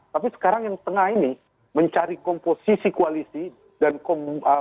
tapi sekarang yang tengah ini mencari komposisi koalisi dan komposisi